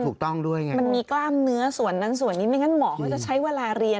คือเวลาฉีดเนี่ยมันมีกล้ามเนื้อส่วนนั้นส่วนนี้ไม่งั้นหมอก็จะใช้เวลาเรียน